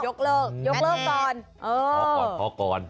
ยกเลิกยกเลิกก่อน